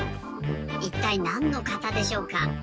いったいなんの型でしょうか？